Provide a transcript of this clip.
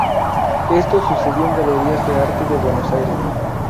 Esto sucedió en galerías de arte de Buenos Aires.